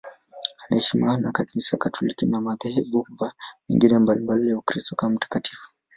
Anaheshimiwa na Kanisa Katoliki na madhehebu mengine mbalimbali ya Ukristo kama mtakatifu.